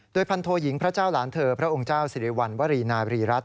พันโทยิงพระเจ้าหลานเธอพระองค์เจ้าสิริวัณวรีนาบรีรัฐ